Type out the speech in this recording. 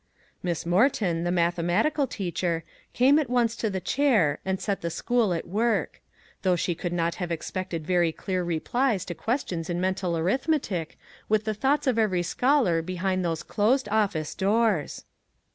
Miss Moreton, the mathematical teacher, came at once to the chair and set the school at work; though she could not have expected very clear replies to questions in mental arith metic, with the thoughts of every scholar be hind those closed office doors.